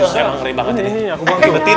ustadz emang ngeri banget ini